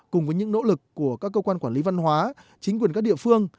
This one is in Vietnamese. cùng với những nỗ lực của các cơ quan quản lý văn hóa chính quyền các địa phương